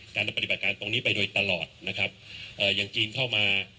การปฏิบัติการตรงนี้ไปโดยตลอดนะครับเอ่ออย่างจีนเข้ามา